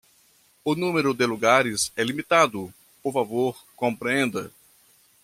O número de lugares é limitado, por favor compreenda